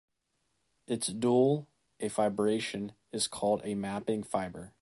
Its dual, a fibration, is called the mapping fibre.